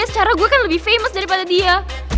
secara gue kan lebih famis daripada dia